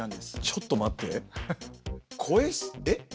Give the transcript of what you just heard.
ちょっと待って。